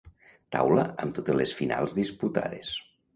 Taula amb totes les finals disputades.